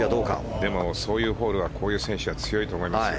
でも、そういうホールはこういう選手は強いと思いますよ。